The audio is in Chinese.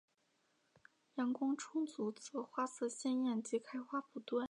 阳光充足则花色鲜艳及开花不断。